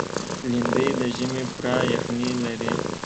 لېندۍ د ژمي پوره یخني لري.